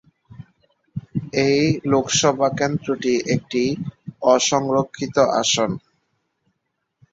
এই লোকসভা কেন্দ্রটি একটি অসংরক্ষিত আসন।